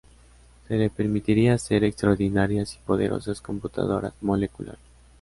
Se le permitirá hacer extraordinarias y poderosas computadoras moleculares.